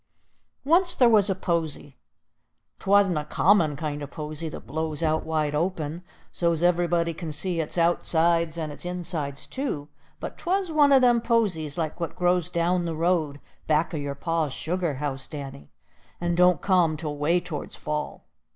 Once there was a posy. 'Twa'n't a common kind o' posy, that blows out wide open, so's everybody can see its outsides and its insides too. But 'twas one of them posies like what grows down the road, back o' your pa's sugar house, Danny, and don't come till way towards fall.